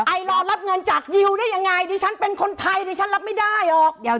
ไอรอรับเงินจากยิวได้ยังไงดิฉันเป็นคนไทยดิฉันรับไม่ได้หรอกเดี๋ยว